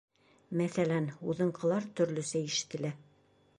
Мәҫәлән, һуҙынҡылар төрлөсә ишетелә.